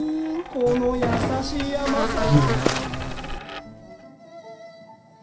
この優しい甘さ！